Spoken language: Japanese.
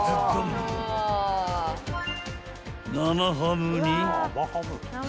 ［生ハムに］